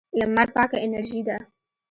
لمر پاکه انرژي ده.